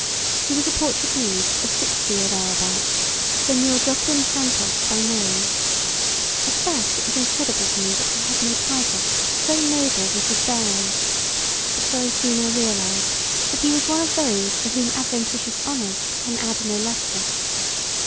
He was a Portuguese of sixty or thereabouts, Senhor Joaquin Santos by name; at first it was incredible to me that he had no title, so noble was his bearing; but very soon I realized that he was one of those to whom adventitious honors can add no lustre.